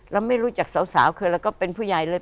ไม่รู้จักสาวคือเราก็เป็นผู้ใหญ่เลย